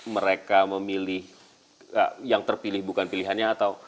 mereka memilih yang terpilih bukan pilihannya atau